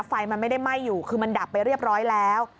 ไฟมันไม่ได้ไหม้อยู่คือมันดับไปเรียบร้อยแล้ว